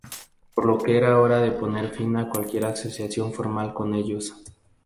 Por lo que era hora de poner fin a cualquier asociación formal con ellos.